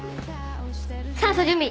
酸素準備。